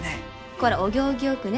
こらお行儀よくね。